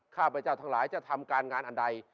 ข้าพเจ้าทั้งหลายจะทำการงานอันใด